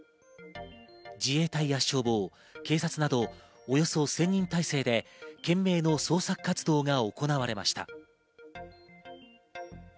自衛隊や消防・警察などおよそ１０００人態勢で懸命の捜索活動が行われました。